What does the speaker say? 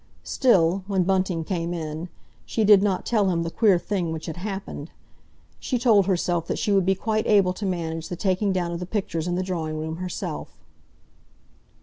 Still, when Bunting came in, she did not tell him the queer thing which had happened. She told herself that she would be quite able to manage the taking down of the pictures in the drawing room herself.